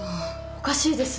おかしいです。